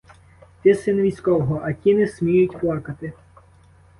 Ти син військового, а ті не сміють плакати.